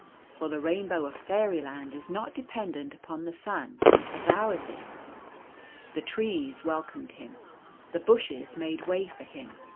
For the rainbow of Fairyland is not dependent upon the sun as ours is. The trees welcomed him. The bushes made way for The Golden Key 175 him.